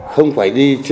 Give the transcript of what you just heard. không phải đi trên